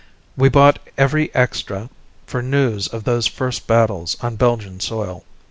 We bought every extra for news of those first battles on Belgian soil.